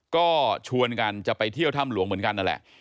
ก็ชวนกันจะไปเที่ยวถ้ำหลวงเหมือนกันนั่นแหละ